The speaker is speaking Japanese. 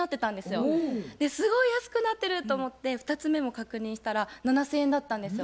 すごい安くなってると思って２つ目も確認したら７，０００円だったんですよ。